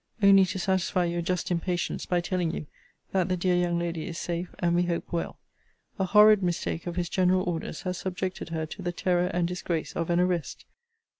Only to satisfy your just impatience, by telling you, that the dear young lady is safe, and we hope well. A horrid mistake of his general orders has subjected her to the terror and disgrace of an arrest.